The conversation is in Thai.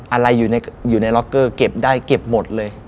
อะไรอยู่ในล็อกเกอร์เก็บได้เก็บหมดเลย